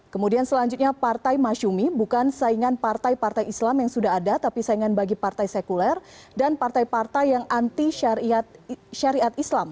kemudian selanjutnya partai masyumi bukan saingan partai partai islam yang sudah ada tapi saingan bagi partai sekuler dan partai partai yang anti syariat islam